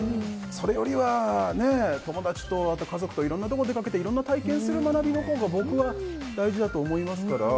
それより友達や家族といろんなところ出かけていろいろ体験する学びのほうが僕は大事だと思いますから。